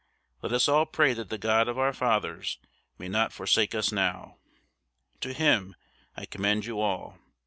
Let us all pray that the God of our fathers may not forsake us now. To him I commend you all.